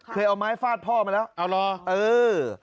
เอาไม้ฟาดพ่อมาแล้วเอาเหรอเออ